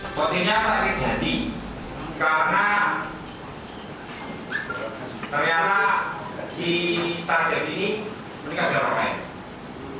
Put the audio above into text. maksudnya sakit hati karena ternyata si sate ini menikah dengan orang lain